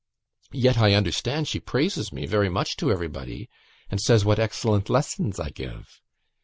Yet, I understand, she praises me very much to everybody, and says what excellent lessons I give.